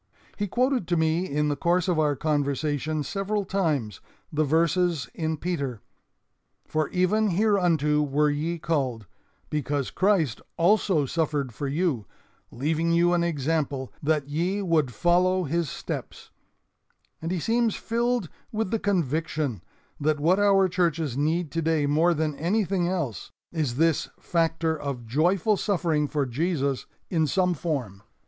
He quoted to me in the course of our conversation several times the verses in Peter: 'For even hereunto were ye called, because Christ also suffered for you, leaving you an example, that ye would follow His steps'; and he seems filled with the conviction that what our churches need today more than anything else is this factor of joyful suffering for Jesus in some form.